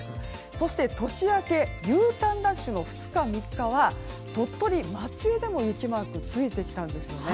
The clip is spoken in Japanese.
そして、年明けＵターンラッシュの２日、３日は鳥取、松江でも雪マークがついてきたんですね。